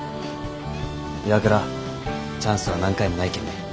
岩倉チャンスは何回もないけんね。